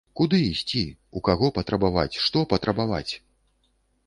Куды ісці, у каго патрабаваць, што патрабаваць?!